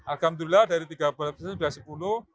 alhamdulillah dari tiga puluh persen sudah sepuluh